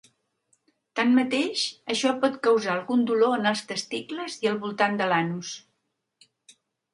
Tanmateix, això pot causar algun dolor en els testicles i al voltant de l'anus.